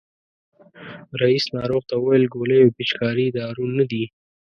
رئیس ناروغ ته وویل ګولۍ او پيچکاري دارو نه دي.